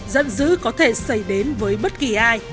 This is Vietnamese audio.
giận dữ có thể xảy đến với bất kỳ ai